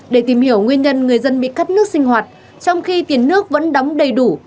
để tìm hiểu nguyên nhân người dân bị cắt nước sinh hoạt trong khi tiền nước vẫn đóng đầy đủ